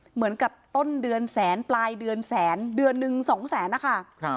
เหมือนกับต้นเดือนแสนปลายเดือนแสนเดือนหนึ่งสองแสนนะคะ